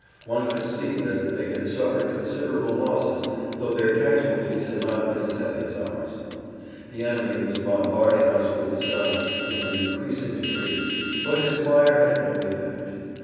One could see that they had suffered considerable losses though their casualties had not been as heavy as ours. The enemy was bombarding us with his guns in an increasing degree, but his fire had no effect.